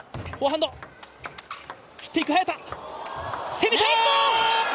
攻めた！